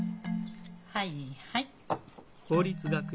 はいはい。